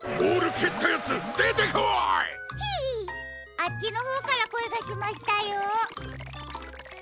あっちのほうからこえがしましたよ。